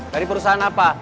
dari perusahaan apa